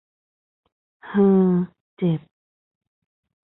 ฮือ เจ็บ